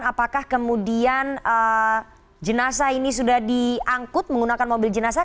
apakah kemudian jenazah ini sudah diangkut menggunakan mobil jenazah